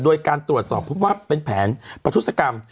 โดยการตรวจสอบพบว่าเป็นแผนประทุศกรรม